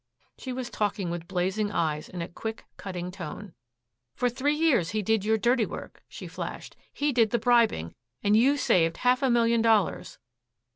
She was talking with blazing eyes and in quick, cutting tone. "For three years he did your dirty work," she flashed. "He did the bribing and you saved half a million dollars."